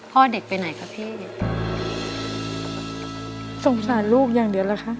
พ่อเด็กไปไหนคะพี่สงสารลูกอย่างเดียวล่ะคะ